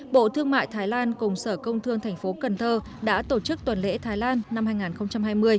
bộ thương mại thái lan cùng sở công thương tp cn đã tổ chức tuần lễ thái lan năm hai nghìn hai mươi